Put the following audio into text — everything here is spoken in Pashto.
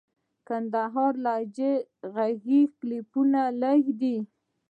د کندهار د لهجې ږغيز کليپونه لږ دي.